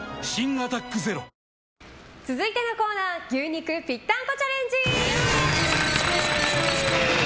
「アタックＺＥＲＯ」続いてのコーナー牛肉ぴったんこチャレンジ！